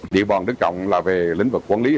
địa bàn đứng cộng là về lĩnh vực quân lý